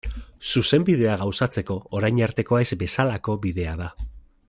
Zuzenbidea gauzatzeko orain artekoa ez bezalako bidea da.